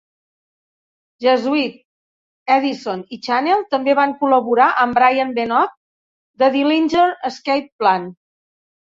Jesuit, Edison, i Channel també van col·laborar amb Brian Benoit de Dillinger Escape Plan.